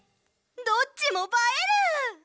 どっちもばえる！